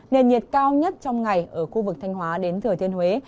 nền nhiệt cao nhất trong ngày ở khu vực thanh hóa đến thừa thiên huế